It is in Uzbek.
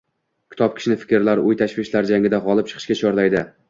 Kitob kishini fikrlar, oʻy-tashvishlar jangida gʻolib chiqishga chorlaydi